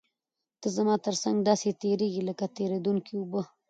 ته زما تر څنګ داسې تېرېږې لکه تېرېدونکې اوبه.